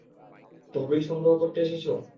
তহবিল সংগ্রহ করতে এসেছ?